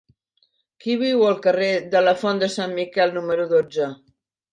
Qui viu al carrer de la Font de Sant Miquel número dotze?